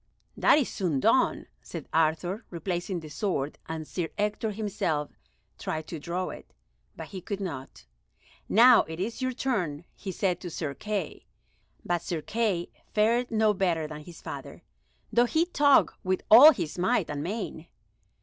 "That is soon done," said Arthur, replacing the sword, and Sir Ector himself tried to draw it, but he could not. "Now it is your turn," he said to Sir Kay, but Sir Kay fared no better than his father, though he tugged with all his might and main.